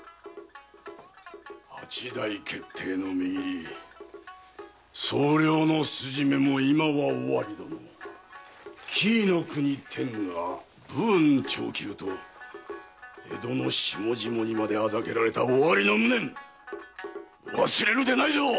八代決定のみぎり「総領の筋目も今はおわり殿紀伊国天下武運長久」と江戸の下々にまで嘲られた尾張の無念忘れるでないぞ！